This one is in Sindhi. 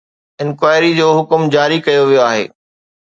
انڪوائري جو حڪم جاري ڪيو ويو آهي.